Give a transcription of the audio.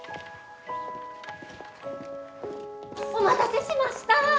お待たせしました！